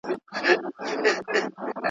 خدای زموږ توبه قبلوي که رښتینې وي.